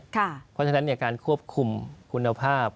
เพราะฉะนั้นการควบคุมคุณภาพ